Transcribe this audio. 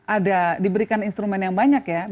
ada diberikan instrumen yang banyak ya